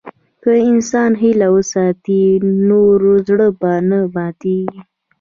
که انسان هیله وساتي، نو زړه به نه ماتيږي.